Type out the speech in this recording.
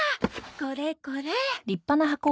これこれ。